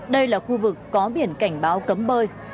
đây là khu vực có biển cảnh báo cấm bơi